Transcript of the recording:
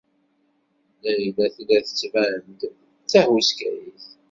Layla tella tettban-d d tahuskayt.